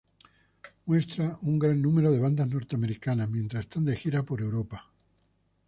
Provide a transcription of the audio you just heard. Muestra un gran número de bandas norteamericanas mientras están de gira por Europa.